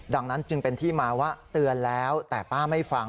ดังนั้นจึงเป็นที่มาว่าเตือนแล้วแต่ป้าไม่ฟัง